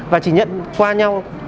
và chỉ nhận qua nhau